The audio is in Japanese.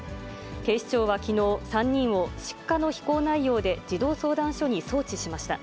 警視庁はきのう、３人を失火の非行内容で児童相談所に送致しました。